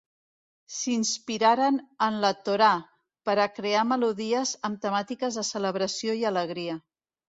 S'inspiraren en la Torà per a crear melodies amb temàtiques de celebració i alegria.